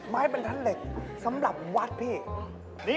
ไม้บรรทัดเหล็กสำหรับวัดพี่